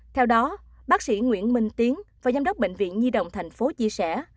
theo đó bác sĩ nguyễn minh tiến và giám đốc bệnh viện nhi đồng thành phố chia sẻ